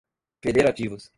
federativos